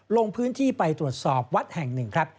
ลงพื้นที่ไปตรวจสอบวัดแห่งหนึ่งครับ